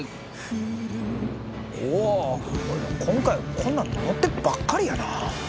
おお今回こんなんに乗ってばっかりやな。